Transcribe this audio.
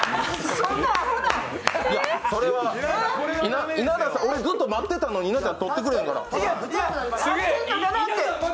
そんなずっと待ってたのに稲ちゃん取ってくれへんから。